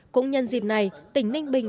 cũng nhân dịp này tỉnh ninh bình